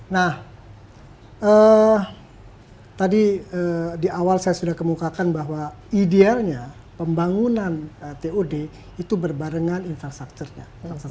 nah tadi di awal saya sudah kemukakan bahwa idealnya pembangunan tod itu berbarengan infrastrukturnya